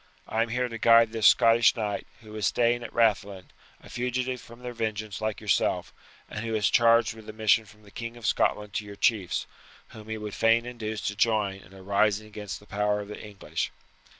I am here to guide this Scottish knight, who is staying at Rathlin, a fugitive from their vengeance like yourself, and who is charged with a mission from the King of Scotland to your chiefs, whom he would fain induce to join in a rising against the power of the English."